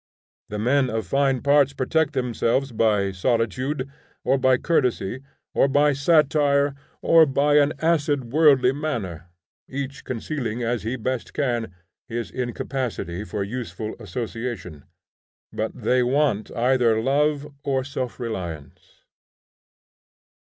The men of fine parts protect themselves by solitude, or by courtesy, or by satire, or by an acid worldly manner, each concealing as he best can his incapacity for useful association, but they want either love or self reliance.